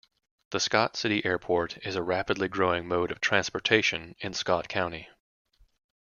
The Scott City Airport is a rapidly growing mode of transportation in Scott County.